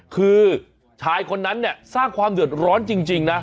คือชายคนนั้นเนี่ยสร้างความเดือดร้อนจริงนะ